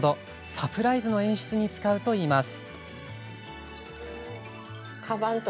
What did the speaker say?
サプライズの演出に使うといいます。